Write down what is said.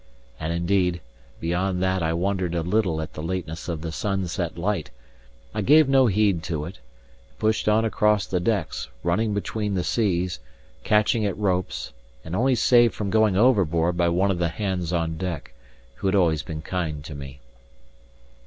And indeed (beyond that I wondered a little at the lateness of the sunset light) I gave no heed to it, and pushed on across the decks, running between the seas, catching at ropes, and only saved from going overboard by one of the hands on deck, who had been always kind to me.